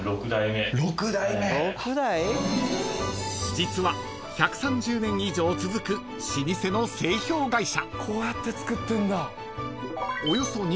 ［実は１３０年以上続く老舗の製氷会社］